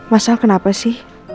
mas al kenapa sih